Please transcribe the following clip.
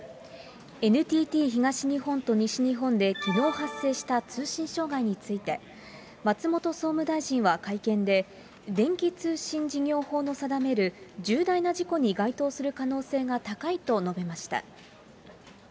ＮＴＴ東日本と西日本できのう発生した通信障害について、松本総務大臣は会見で、電気通信事業法の定める重大な事故に該当する可能性が高いと述べました。